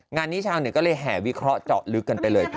งานนี้ชาวเน็ตก็เลยแห่วิเคราะห์เจาะลึกกันไปเลยค่ะ